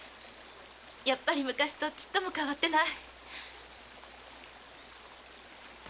やっぱり昔とちっとも変わってない。